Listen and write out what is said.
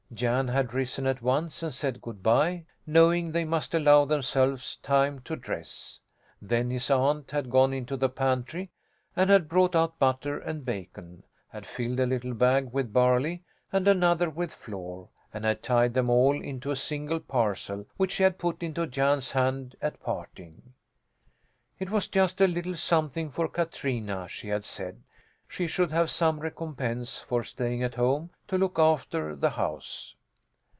Jan had risen at once and said good bye, knowing they must allow themselves time to dress. Then his aunt had gone into the pantry and had brought out butter and bacon, had filled a little bag with barley, and another with flour, and had tied them all into a single parcel, which she had put into Jan's hand at parting. It was just a little something for Katrina, she had said. She should have some recompense for staying at home to look after the house.